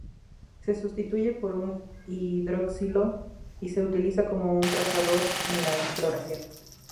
Se sustituye por un hidroxilo y se utiliza como un trazador en la exploración.